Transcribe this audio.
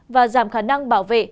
và giảm khả năng bảo vệ